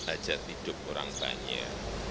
aja tidur orang banyak